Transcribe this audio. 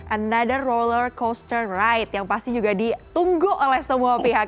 another rollercoaster ride yang pasti juga ditunggu oleh semua pihak